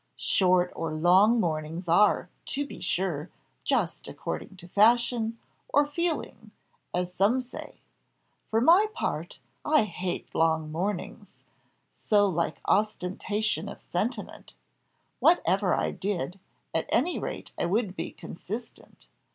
Short or long mournings are, to be sure, just according to fashion, or feeling, as some say. For my part, I hate long mournings so like ostentation of sentiment; whatever I did, at any rate I would be consistent.